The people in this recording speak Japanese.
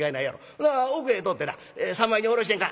ほな奥へ通ってな三枚におろしてんか」。